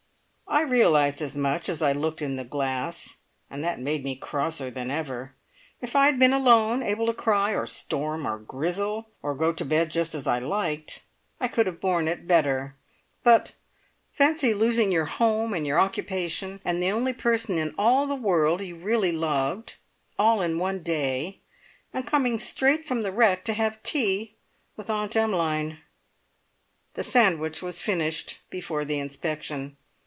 I realised as much as I looked in the glass, and that made me crosser than ever. If I had been alone, able to cry, or storm, or grizzle, or go to bed just as I liked, I could have borne it better; but fancy losing your home, and your occupation, and the only person in all the world you really loved, all in one day, and coming straight from the wreck to have tea with Aunt Emmeline! The sandwich was finished before the inspection.